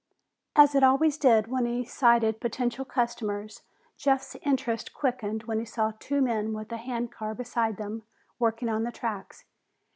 As it always did when he sighted potential customers, Jeff's interest quickened when he saw two men with a handcar beside them, working on the tracks.